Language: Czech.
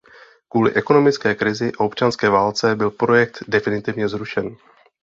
Kvůli ekonomické krizi a občanské válce byl projekt definitivně zrušen.